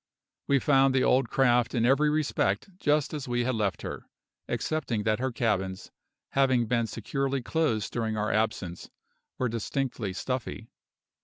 We found the old craft in every respect just as we had left her, excepting that her cabins, having been securely closed during our absence, were distinctly stuffy.